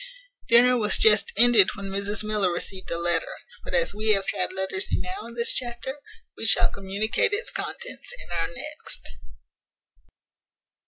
Dinner was just ended when Mrs Miller received a letter; but as we have had letters enow in this chapter, we shall communicate its contents in our next.